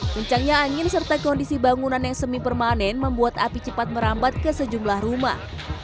kencangnya angin serta kondisi bangunan yang semi permanen membuat api cepat merambat ke sejumlah rumah